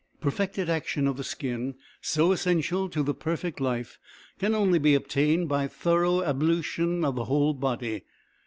Perfected action of the skin, so essential to the perfect life, can only be obtained by thorough ablution of the whole body.